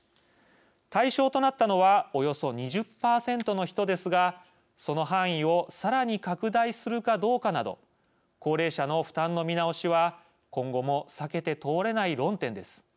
対象となったのはおよそ２０％の人ですがその範囲をさらに拡大するかどうかなど高齢者の負担の見直しは今後も避けて通れない論点です。